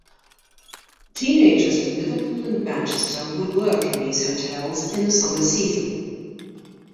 Teenagers from Liverpool and Manchester would work in these hotels in the summer season.